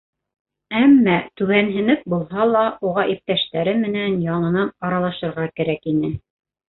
Әммә, түбәнһенеп булһа ла, уға иптәштәре менән яңынан аралашырға кәрәк ине.